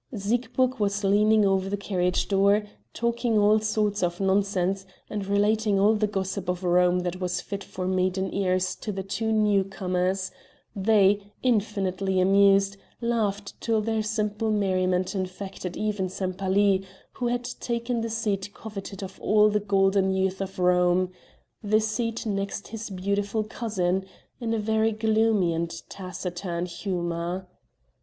Siegburg was leaning over the carriage door, talking all sorts of nonsense, and relating all the gossip of Rome that was fit for maiden ears to the two new comers; they, infinitely amused, laughed till their simple merriment infected even Sempaly, who had taken the seat coveted of all the golden youth of Rome the seat next his beautiful cousin in a very gloomy and taciturn humor.